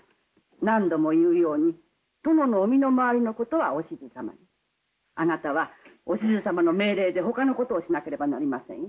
何度も言うように殿のお身の回りのことはお志津様にあなたはお志津様の命令でほかのことをしなければなりません。